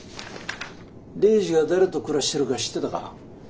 レイジが誰と暮らしてるか知ってたか？